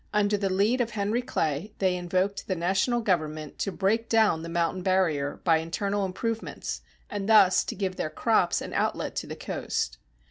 Under the lead of Henry Clay they invoked the national government to break down the mountain barrier by internal improvements, and thus to give their crops an outlet to the coast.